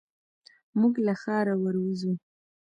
موږ له ښاره ور وځو.